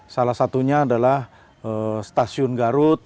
salah satunya adalah stasiun garut